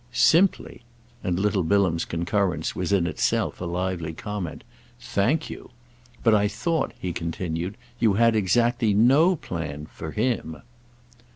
"'Simply'!"—and little Bilham's concurrence was in itself a lively comment. "Thank you. But I thought," he continued, "you had exactly no plan 'for' him."